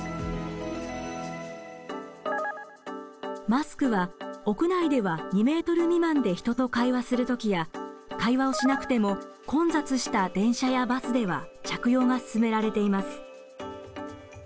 マスクは屋内では２ｍ未満で人と会話する時や会話をしなくても混雑した電車やバスでは着用が勧められています。